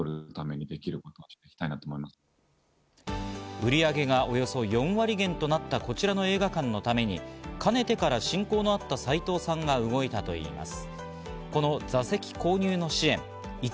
売上がおよそ４割減となったこちらの映画館のためにかねてから親交のあった斎藤さんが動いたといいます。